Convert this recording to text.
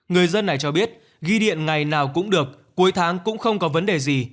người dân này cho biết ghi điện ngày nào cũng được cuối tháng cũng không có vấn đề gì